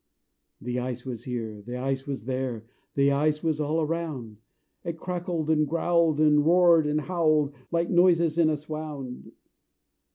The ice was here, the ice was there, The ice was all around: It cracked and growled, and roared and howled, Like noises in a swound.